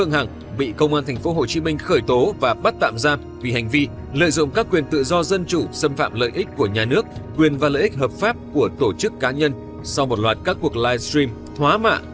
hành vi ứng xử phản văn hóa